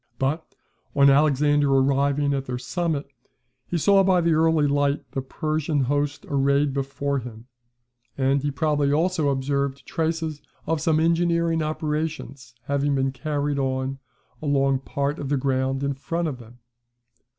But, on Alexander arriving at their summit, he saw by the early light the Persian host arrayed before him; and he probably also observed traces of some engineering operation having been carried on along part of the ground in front of them.